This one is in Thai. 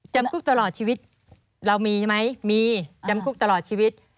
จำคุกตลอดชีวิตเรามีใช่ไหมมีจำคุกตลอดชีวิต